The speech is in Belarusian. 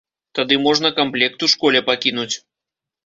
Тады можна камплект у школе пакінуць.